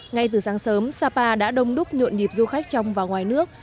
ngay từ sáng sớm sapa đã đông đúc nhộn nhịp du khách trong và ngoài nước